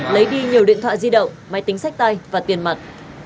lấy đi nhiều điện thoại di động máy tính sách tay và tiền mặt